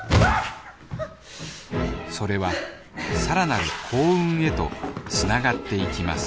それはさらなる幸運へと繋がっていきます